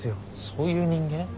そういう人間？